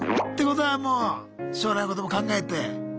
ってことはもう将来のことも考えて。